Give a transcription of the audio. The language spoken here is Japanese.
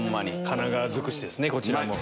神奈川尽くしですねこちらも。